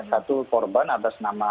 satu korban atas nama